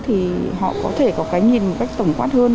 thì họ có thể có cái nhìn một cách tổng quát hơn